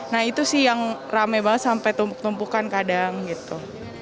nah itu sih yang rame banget sampai tumpuk tumpukan kadang gitu